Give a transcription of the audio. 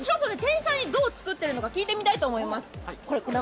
どう作っているのか聞いてみたいと思います。